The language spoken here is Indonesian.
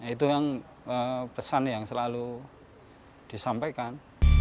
itu yang pesan yang selalu disampaikan